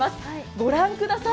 ご覧ください。